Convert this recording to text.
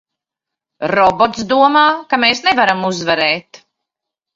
Robots domā, ka mēs nevaram uzvarēt!